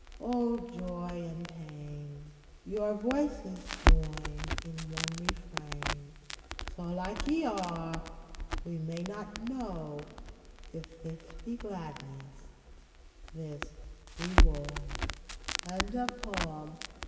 O joy and Pain, Your voices join in one refrain ! So like ye are, we may not know If this be gladness, this be woe